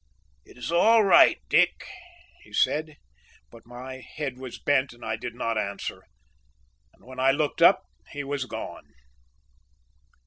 "It is all right, Dick," he said, but my head was bent and I did not answer, and when I looked up he was gone.